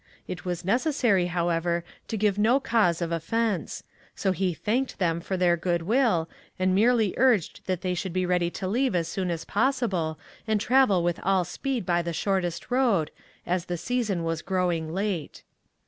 It was necessary, however, to give no cause of offence; so he thanked them for their good will, and merely urged that they should be ready to leave as soon as possible and travel with all speed by the shortest road, as the season was growing late.